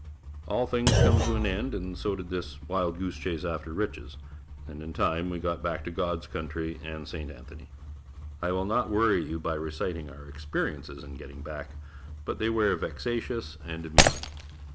All things come to an end, and so did this wild goose chase after riches and in time we got back to God's country and St. Anthony. I will not worry you by reciting our experiences in getting back, but they were vexatious and amusing.